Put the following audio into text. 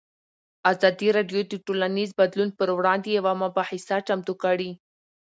ازادي راډیو د ټولنیز بدلون پر وړاندې یوه مباحثه چمتو کړې.